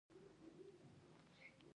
د ستوري ماڼۍ په غونډه کې.